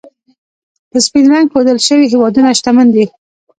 په سپین رنګ ښودل شوي هېوادونه، شتمن دي.